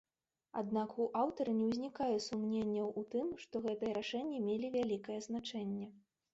Аднак у аўтара не ўзнікае сумненняў у тым, што гэтыя рашэнні мелі вялікае значэнне.